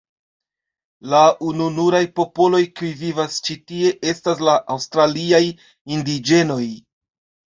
La ununuraj popoloj, kiuj vivas ĉi tie estas la aŭstraliaj indiĝenoj.